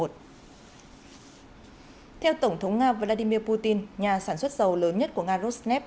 theo tổng thống nga vladimir putin nhà sản xuất dầu lớn nhất của nga rosnef